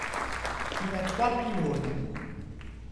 Il a trois pylones.